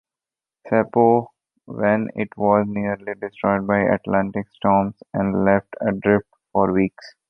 Sappho when it was nearly destroyed by Atlantic storms and left adrift for weeks.